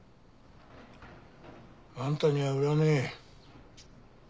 あんたには売らねえ。